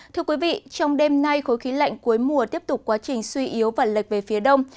thưa quý vị trong đêm nay khối khí lạnh cuối mùa tiếp tục quá trình suy yếu và lệch về phía đông